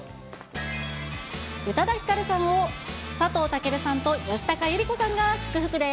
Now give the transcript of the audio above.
宇多田ヒカルさんを、佐藤健さんと吉高由里子さんが祝福です。